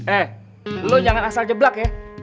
eh lo jangan asal jeblak ya